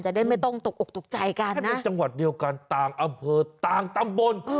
ได้ไม่ต้องตกอกตกใจกันนะในจังหวัดเดียวกันต่างอำเภอต่างตำบล